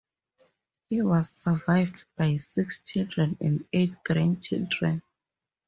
He was survived by six children and eight grandchildren.